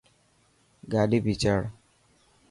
گاڏي ڀيچاڙ.